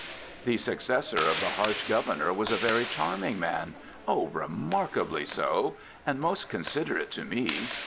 'The successor of the harsh Governor was a very charming man oh! remarkably so and most considerate to me.